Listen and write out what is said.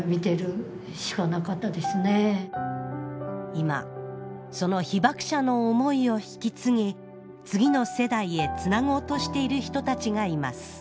今その被爆者の思いを引き継ぎ次の世代へつなごうとしている人たちがいます